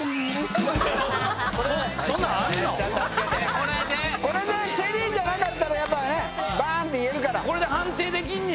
これでチェリーじゃなかったらばん！って言えるから。